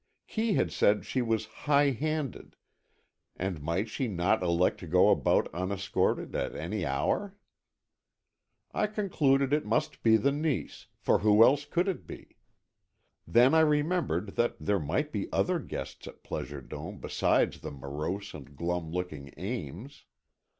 Kee had said she was high handed, and might she not elect to go about unescorted at any hour? I concluded it must be the niece, for who else could it be? Then I remembered that there might be other guests at Pleasure Dome besides the morose and glum looking Ames.